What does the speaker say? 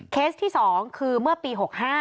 ที่๒คือเมื่อปี๖๕